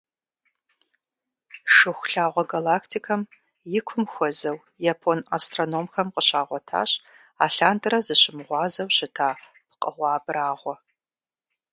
Шыхулъагъуэ галактикэм и кум хуэзэу япон астрономхэм къыщагъуэтащ алъандэрэ зыщымыгъуазэу щыта пкъыгъуэ абрагъуэ.